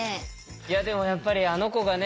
いやでもやっぱりあの子がね